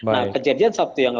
nah kejadian sabtu yang lalu